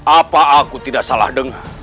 apa aku tidak salah dengar